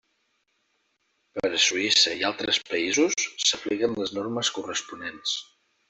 Per a Suïssa i altres països, s'apliquen les normes corresponents.